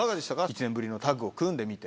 １年ぶりのタッグを組んでみて。